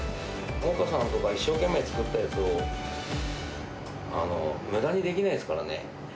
農家さんとか一生懸命作ったやつを、むだにできないですからね。